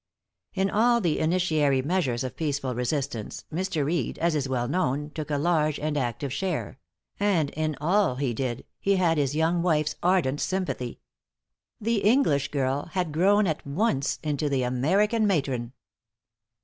In all the initiatory measures of peaceful resistance, Mr. Reed, as is well known, took a large and active share; and in all he did, he had his young wife's ardent sympathy. The English girl had grown at once into the American matron.